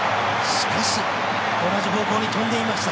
しかし、同じ方向に飛んでいました。